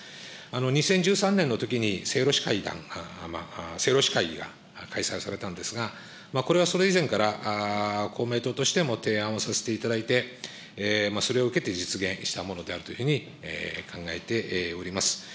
２０１３年のときに、政労使会議が開催されたんですが、これはそれ以前から公明党としても提案をさせていただいて、それを受けて実現したものであるというふうに考えております。